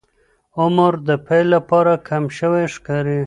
عمر د پیل لپاره کم شوی ښکاري.